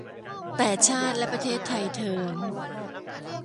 แต่ชาติและประเทศไทยเทอญ